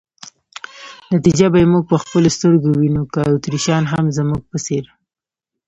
نتیجه به یې موږ په خپلو سترګو وینو، که اتریشیان هم زموږ په څېر.